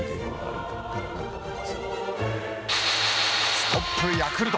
ストップ・ヤクルト。